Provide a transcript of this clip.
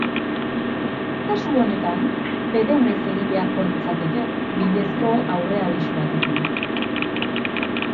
Kasu onetan fede onez egin beharko litzateke, bidezko aurre-abisu batekin.